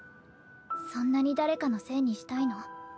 そんなに誰かのせいにしたいの？